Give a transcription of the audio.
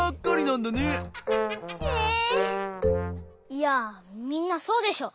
いやみんなそうでしょ！